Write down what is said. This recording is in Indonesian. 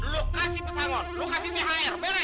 lo kasih pesangon lo kasih thr mereh